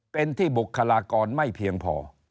เป็นที่บุคลากรไม่เพียงพอ